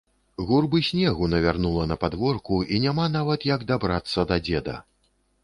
Гурбы снегу навярнула на падворку, і няма нават як дабрацца да дзеда.